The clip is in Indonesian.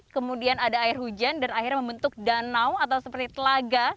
kemudian ada air hujan dan akhirnya membentuk danau atau seperti telaga